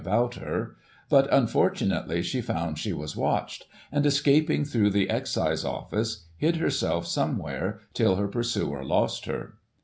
[1845 about her; but, unfortunately, she found she was watched; and, escaping through the Excise Office, hid herself some where, till her pursuer lost her.